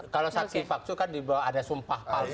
kalau saksi palsu kan di bawah ada sumpah palsu